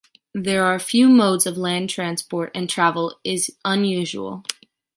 There are few modes of land transport and travel is unusual.